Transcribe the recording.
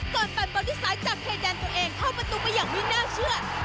ก่อนปั่นบอลที่ซ้ายจับเคดันตัวเองเข้าประตูไปอย่างไม่น่าเชื่อ